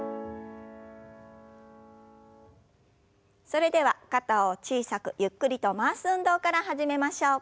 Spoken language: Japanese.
それでは肩を小さくゆっくりと回す運動から始めましょう。